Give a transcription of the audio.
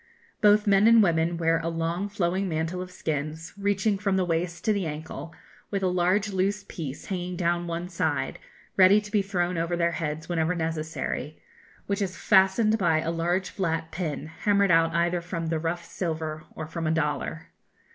Both men and women wear a long flowing mantle of skins, reaching from the waist to the ankle, with a large loose piece hanging down on one side, ready to be thrown over their heads whenever necessary, which is fastened by a large flat pin hammered out either from the rough silver or from a dollar.